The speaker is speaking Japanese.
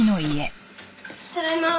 ただいま。